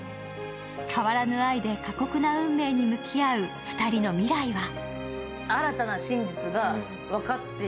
変わらぬ愛で過酷な運命に向き合う２人の未来は。